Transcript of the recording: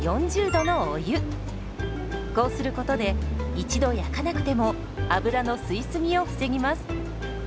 こうすることで一度焼かなくても油の吸い過ぎを防ぎます。